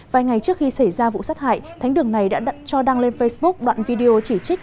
vài ngày trước khi xảy ra vụ sát hại thánh đường này đã cho đăng lên facebook đoạn video chỉ trích